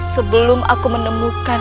sebelum aku menemukan